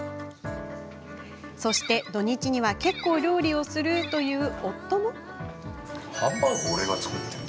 そして、土日には結構料理をするという夫も。